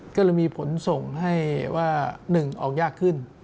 ก็จะมีผลส่งให้ว่าหนึ่งออกยากขึ้น